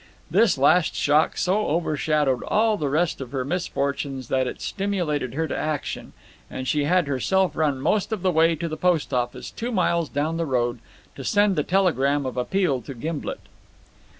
This last shock so overshadowed all the rest of her misfortunes that it stimulated her to action, and she had herself run most of the way to the post office two miles down the road, to send the telegram of appeal to Gimblet.